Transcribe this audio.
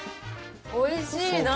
おいしいな。